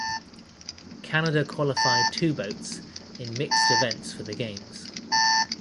Canada qualified two boats in mixed events for the games.